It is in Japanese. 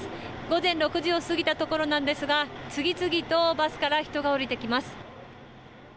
午前６時を過ぎたところなんですが次々とバスから人が降りてきます。